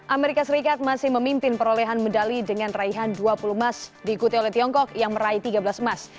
amerika serikat masih memimpin perolehan medali dengan raihan dua puluh emas diikuti oleh tiongkok yang meraih tiga belas emas